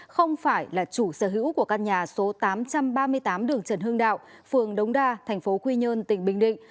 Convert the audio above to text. không phải là chủ sở hữu của căn nhà số tám trăm ba mươi tám đường trần hưng đạo phường đống đa thành phố quy nhơn tỉnh bình định